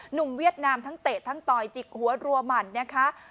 เวียดนามทั้งเตะทั้งต่อยจิกหัวรัวหมั่นนะคะ